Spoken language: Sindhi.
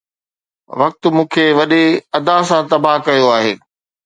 وقت مون کي وڏي ادا سان تباهه ڪيو آهي